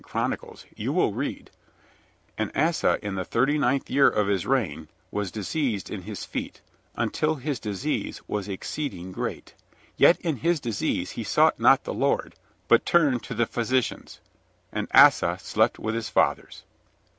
Chronicles, you will read: "And Asa in the thirty ninth year of his reign was diseased in his feet, until his disease was exceeding great; yet in his disease he sought not the Lord, but turned to the physicians and Asa slept with his fathers."